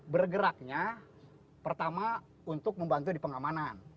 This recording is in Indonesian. bergeraknya pertama untuk membantu di pengamanan